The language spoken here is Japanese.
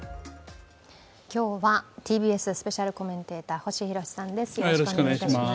今日はＴＢＳスペシャルコメンテーター星浩さんです。